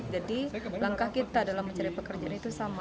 jadi langkah kita dalam mencari pekerjaan itu sama